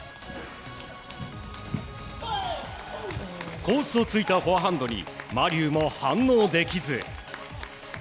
コースをついたフォアハンドにマ・リュウも反応できず。